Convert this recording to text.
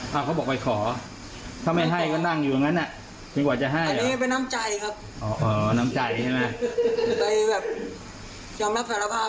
กาแฟกะเฟอร์กินจะทุกวันจริงไหมซื้อครับซื้อซื้อ